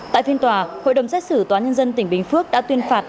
tại phiên tòa hội đồng xét xử tòa nhân dân tỉnh bình phước đã tuyên phạt